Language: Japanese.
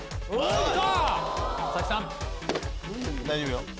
大丈夫よ。